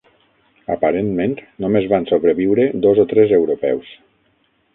Aparentment només van sobreviure dos o tres europeus.